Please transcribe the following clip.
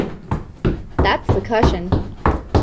That's the cushion.